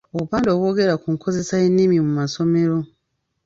Obupande obwogera ku nkozesa y’ennimi mu masomero.